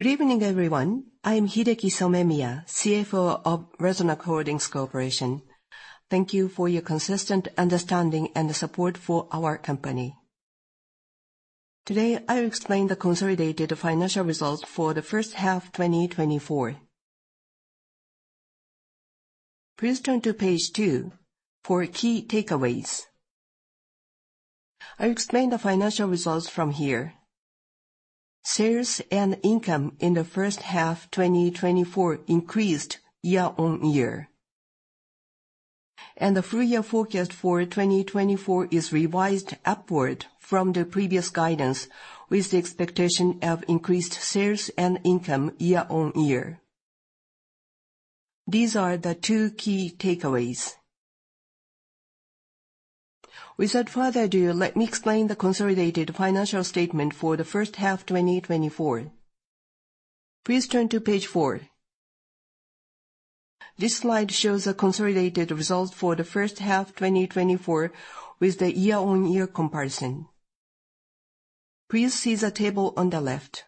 Good evening, everyone. I'm Hideki Somemiya, CFO of Resonac Holdings Corporation. Thank you for your consistent understanding and the support for our company. Today, I'll explain the consolidated financial results for the first half 2024. Please turn to page two for key takeaways. I'll explain the financial results from here. Sales and income in the first half 2024 increased year-on-year. The full year forecast for 2024 is revised upward from the previous guidance, with the expectation of increased sales and income year-on-year. These are the two key takeaways. Without further ado, let me explain the consolidated financial statement for the first half 2024. Please turn to page four. This slide shows a consolidated result for the first half 2024 with the year-on-year comparison. Please see the table on the left.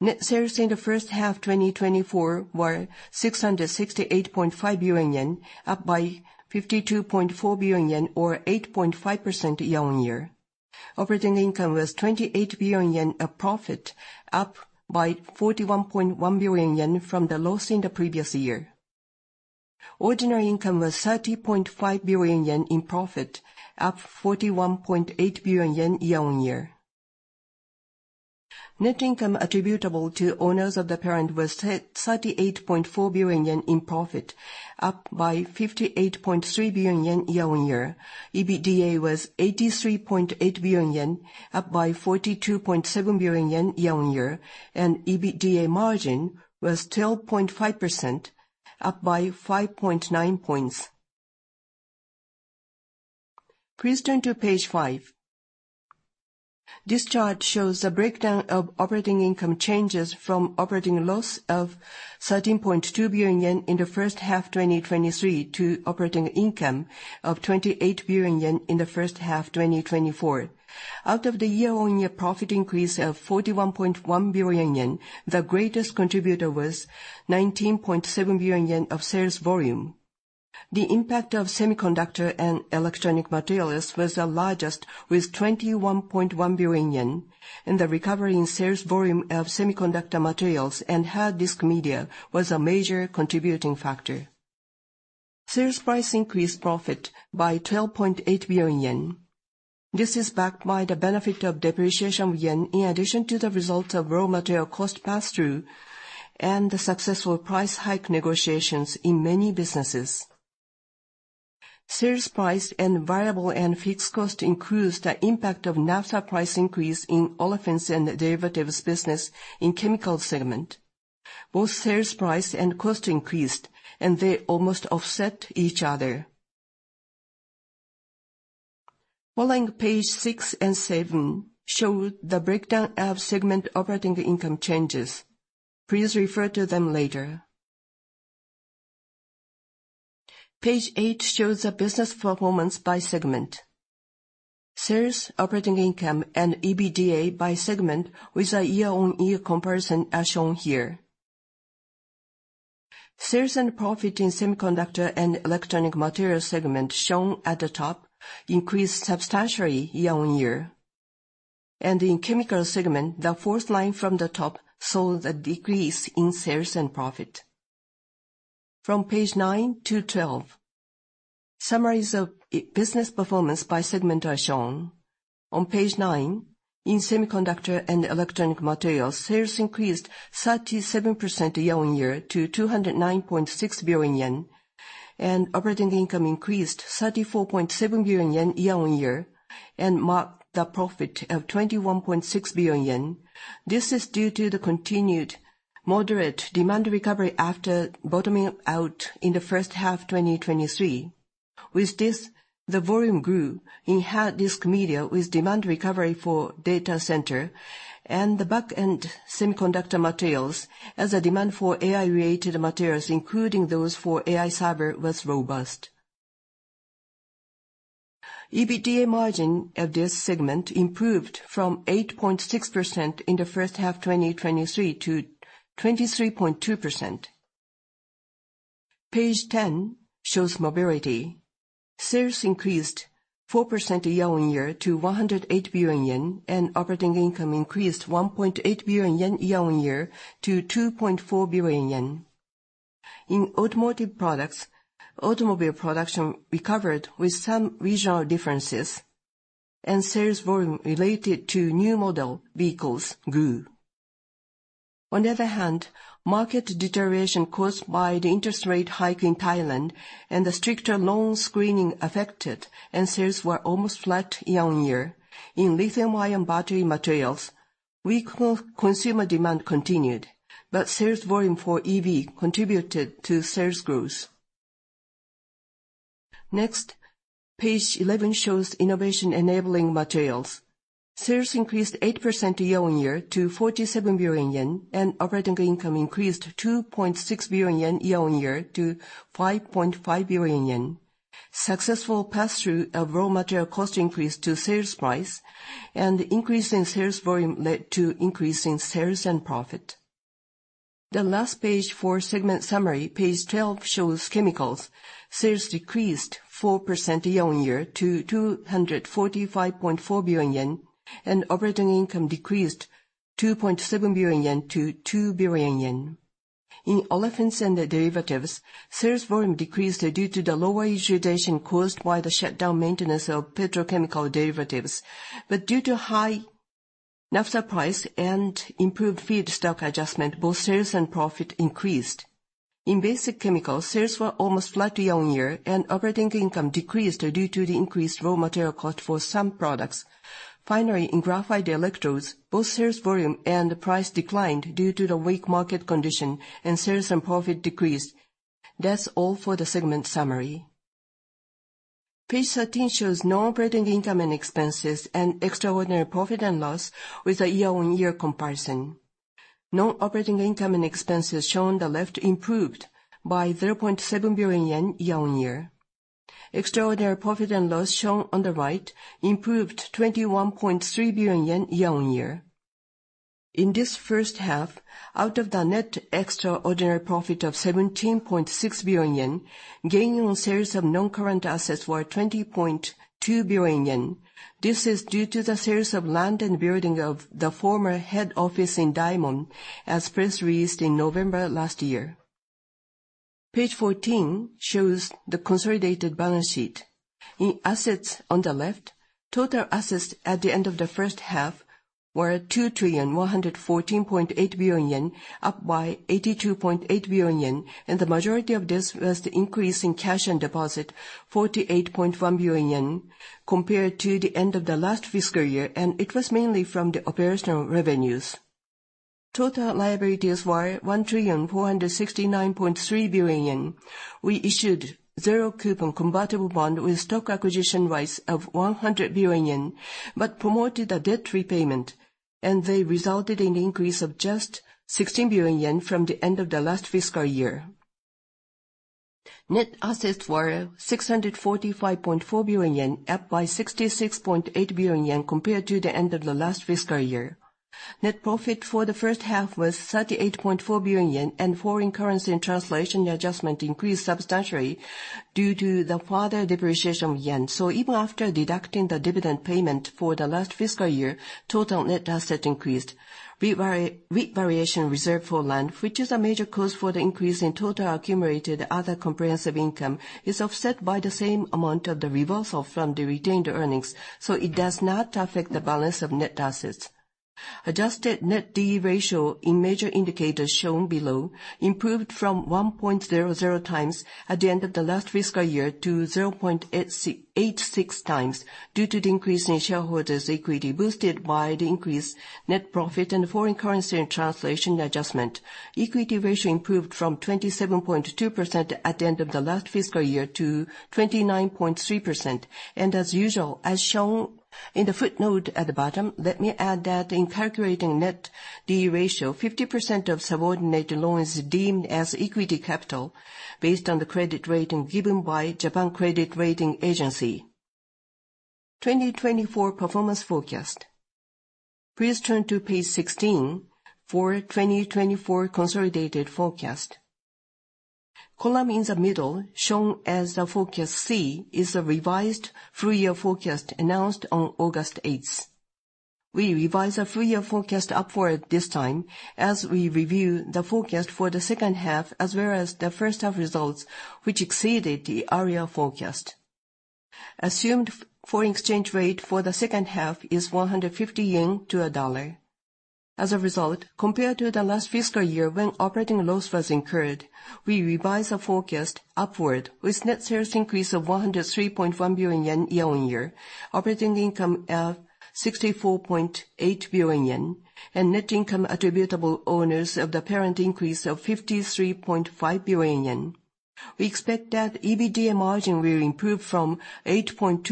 Net sales in the first half 2024 were 668.5 billion yen, up by 52.4 billion yen, or 8.5% year-on-year. Operating income was 28 billion yen of profit, up by 41.1 billion yen from the loss in the previous year. Ordinary income was 30.5 billion yen in profit, up 41.8 billion yen year-on-year. Net income attributable to owners of the parent was 38.4 billion yen in profit, up by 58.3 billion yen year-on-year. EBITDA was 83.8 billion yen, up by 42.7 billion yen year-on-year, and EBITDA margin was 12.5%, up by 5.9 points. Please turn to page five. This chart shows the breakdown of operating income changes from operating loss of 13.2 billion yen in the first half 2023 to operating income of 28 billion yen in the first half 2024. Out of the year-on-year profit increase of 41.1 billion yen, the greatest contributor was 19.7 billion yen of sales volume. The impact of Semiconductor and Electronic Materials was the largest, with 21.1 billion yen, and the recovery in sales volume of semiconductor materials and hard disk media was a major contributing factor. Sales price increased profit by 12.8 billion yen. This is backed by the benefit of depreciation of yen, in addition to the result of raw material cost pass-through and the successful price hike negotiations in many businesses. Sales price and variable and fixed cost increased the impact of naphtha price increase in olefins and derivatives business in Chemicals segment. Both sales price and cost increased, and they almost offset each other. Following page six and seven show the breakdown of segment operating income changes. Please refer to them later. Page eight shows the business performance by segment. Sales, operating income, and EBITDA by segment with a year-on-year comparison are shown here. Sales and profit in Semiconductor and Electronic Materials, shown at the top, increased substantially year-on-year. In Chemicals segment, the fourth line from the top saw the decrease in sales and profit. From page nine to 12, summaries of business performance by segment are shown. On page nine, in Semiconductor and Electronic Materials, sales increased 37% year-on-year to 209.6 billion yen, and operating income increased 34.7 billion yen year-on-year and marked the profit of 21.6 billion yen. This is due to the continued moderate demand recovery after bottoming out in the first half 2023. With this, the volume grew in hard disk media with demand recovery for data center and the back-end semiconductor materials as the demand for AI-related materials, including those for AI server, was robust. EBITDA margin of this segment improved from 8.6% in the first half 2023 to 23.2%. Page 10 shows Mobility. Sales increased 4% year-on-year to 108 billion yen, and operating income increased 1.8 billion yen year-on-year to 2.4 billion yen. In automotive products, automobile production recovered with some regional differences, and sales volume related to new model vehicles grew. On the other hand, market deterioration caused by the interest rate hike in Thailand and the stricter loan screening affected, and sales were almost flat year-on-year. In lithium-ion battery materials, weak consumer demand continued, but sales volume for EV contributed to sales growth. Next, page 11 shows Innovation Enabling Materials. Sales increased 8% year-on-year to 47 billion yen, and operating income increased 2.6 billion yen year-on-year to 5.5 billion yen. Successful pass-through of raw material cost increase to sales price and increase in sales volume led to increase in sales and profit. The last page for segment summary, page 12, shows chemicals. Sales decreased 4% year-on-year to 245.4 billion yen, and operating income decreased 2.7 billion yen to 2 billion yen. In olefins and derivatives, sales volume decreased due to the lower utilization caused by the shutdown maintenance of petrochemical derivatives. Due to high naphtha price and improved feedstock adjustment, both sales and profit increased. In basic chemicals, sales were almost flat year-on-year, and operating income decreased due to the increased raw material cost for some products. Finally, in graphite electrodes, both sales volume and price declined due to the weak market condition, and sales and profit decreased. That's all for the segment summary. Page 13 shows non-operating income and expenses and extraordinary profit and loss with a year-on-year comparison. Non-operating income and expenses shown on the left improved by 0.7 billion yen year-on-year. Extraordinary profit and loss, shown on the right, improved 21.3 billion yen year-on-year. In this first half, out of the net extraordinary profit of 17.6 billion yen, gain on sales of non-current assets were 20.2 billion yen. This is due to the sales of land and building of the former head office in Daimon, as press released in November last year. Page 14 shows the consolidated balance sheet. In assets on the left, total assets at the end of the first half were 2 trillion 114.8 billion, up by 82.8 billion yen, and the majority of this was the increase in cash and deposit, 48.1 billion yen, compared to the end of the last fiscal year, and it was mainly from the operational revenues. Total liabilities were 1 trillion 469.3 billion. We issued zero coupon convertible bond with stock acquisition rights of 100 billion yen, promoted a debt repayment, and they resulted in increase of just 16 billion yen from the end of the last fiscal year. Net assets were 645.4 billion yen, up by 66.8 billion yen compared to the end of the last fiscal year. Net profit for the first half was 38.4 billion yen, and foreign currency and translation adjustment increased substantially due to the further depreciation of yen. Even after deducting the dividend payment for the last fiscal year, total net asset increased. Revaluation reserve for land, which is a major cause for the increase in total accumulated other comprehensive income, is offset by the same amount of the reversal from the retained earnings, it does not affect the balance of net assets. Adjusted net D/E ratio in major indicators shown below improved from 1.00 times at the end of the last fiscal year to 0.86 times due to the increase in shareholders' equity, boosted by the increased net profit and foreign currency and translation adjustment. Equity ratio improved from 27.2% at the end of the last fiscal year to 29.3%. As usual, as shown in the footnote at the bottom, let me add that in calculating net D/E ratio, 50% of subordinate loans are deemed as equity capital, based on the credit rating given by Japan Credit Rating Agency. 2024 performance forecast. Please turn to page 16 for 2024 consolidated forecast. Column in the middle, shown as the forecast C, is a revised full year forecast announced on August 8th. We revised a full year forecast upward this time as we review the forecast for the second half, as well as the first half results, which exceeded the annual forecast. Assumed foreign exchange rate for the second half is 150 yen to a dollar. As a result, compared to the last fiscal year when operating loss was incurred, we revised the forecast upward with net sales increase of 103.1 billion yen year-on-year, operating income of 64.8 billion yen, and net income attributable to owners of the parent increase of 53.5 billion yen. We expect that EBITDA margin will improve from 8.2%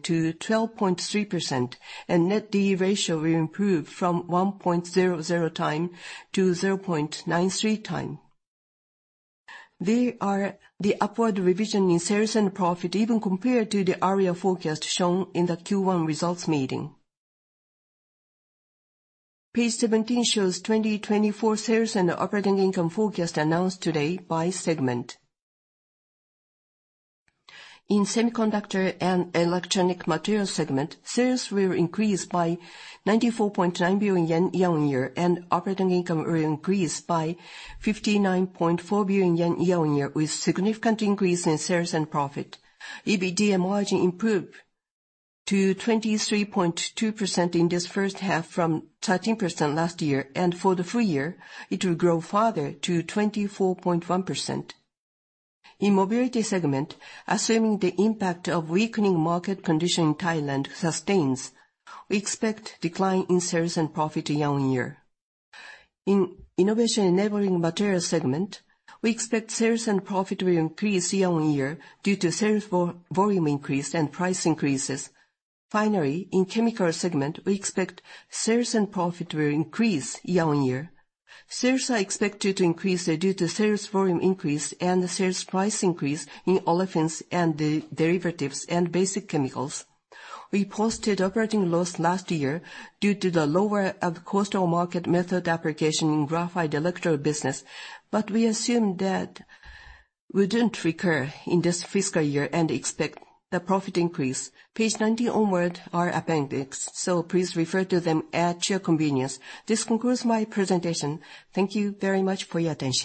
to 12.3%, and net D/E ratio will improve from 1.00 time to 0.93 time. They are the upward revision in sales and profit even compared to the annual forecast shown in the Q1 results meeting. Page 17 shows 2024 sales and operating income forecast announced today by segment. In Semiconductor and Electronic Materials segment, sales will increase by 94.9 billion yen year-on-year, and operating income will increase by 59.4 billion yen year-on-year, with significant increase in sales and profit. EBITDA margin improved to 23.2% in this first half from 13% last year. For the full year, it will grow further to 24.1%. In Mobility segment, assuming the impact of weakening market condition in Thailand sustains, we expect decline in sales and profit year-on-year. In Innovation Enabling Materials segment, we expect sales and profit will increase year-on-year due to sales volume increase and price increases. Finally, in Chemicals segment, we expect sales and profit will increase year-on-year. Sales are expected to increase due to sales volume increase and the sales price increase in olefins and derivatives and basic chemicals. We posted operating loss last year due to the lower of cost or market method application in graphite electrodes business, we assume that wouldn't recur in this fiscal year and expect the profit increase. Page 90 onward are appendix, please refer to them at your convenience. This concludes my presentation. Thank you very much for your attention.